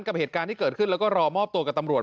กับเหตุการณ์ที่เกิดขึ้นแล้วก็รอมอบตัวกับตำรวจ